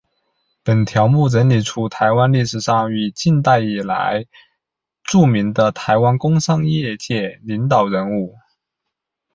本条目整理出台湾历史上与近代以来著名的台湾工商业界领导人物。